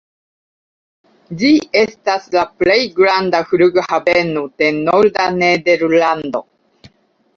Ĝi estas la plej granda flughaveno de norda Nederlando.